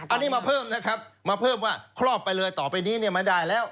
อันนี้มาเพิ่มนะครับมาเพิ่มว่าครอบไปเลยต่อไปนี้เนี่ยไม่ได้แล้ว